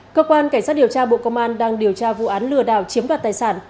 cơ quan cảnh sát điều tra bộ công an đang điều tra vụ án lừa đảo chiếm đoạt tài sản